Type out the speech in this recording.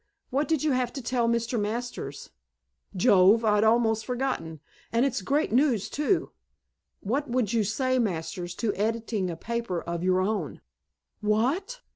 What did you have to tell Mr. Masters?" "Jove! I'd almost forgotten, and it's great news, too. What would you say, Masters, to editing a paper of your own?" "What?"